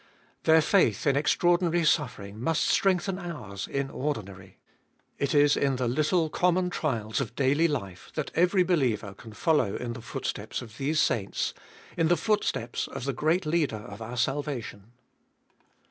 Their faith in extra ordinary suffering must strengthen ours in ordinary. It is in the little common trials of daily life that every believer can follow in the footsteps of these saints, in the footsteps of the great Leader of our salvation.